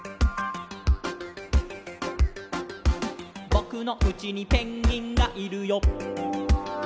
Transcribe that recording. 「ぼくのうちにペンギンがいるよ」